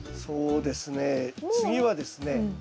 そうですね次はですね